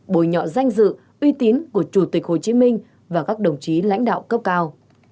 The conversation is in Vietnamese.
bồi nhọ danh dự uy tín của chủ tịch hồ chí minh và các đồng chí lãnh đạo cấp cao